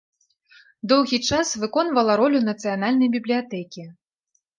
Доўгі час выконвала ролю нацыянальнай бібліятэкі.